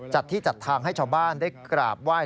จัดที่จัดทางให้ชาวบ้านได้กราบไหว้